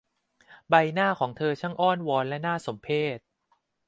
ใบหน้าของเธอช่างอ้อนวอนและน่าสมเพช